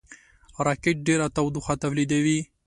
راکټ ډېره تودوخه تولیدوي